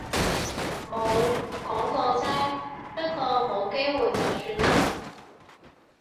冇，講過啫。不過冇機會就算喇